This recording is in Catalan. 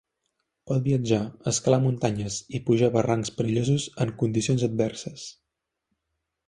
Pot viatjar, escalar muntanyes i pujar barrancs perillosos en condicions adverses.